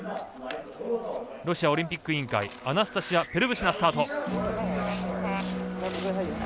ロシアオリンピック委員会アナスタシヤ・ペルブシナスタート。